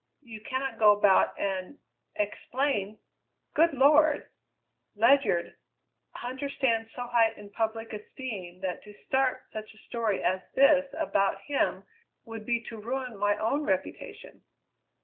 You cannot go about and explain! Good Lord! Ledyard, Huntter stands so high in public esteem that to start such a story as this about him would be to ruin my own reputation."